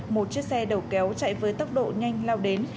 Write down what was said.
một chiếc xe đầu kéo chạy với tốc độ nhanh lao đến